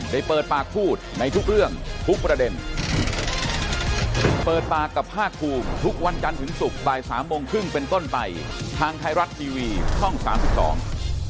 เปิดปากพูดในทุกเรื่องทุกประเด็นเปิดปากกับภาคภูมิทุกวันจันทร์ถึงศุกร์บ่ายสามโมงครึ่งเป็นต้นไปทางไทยรัฐทีวีช่องสามสิบสอง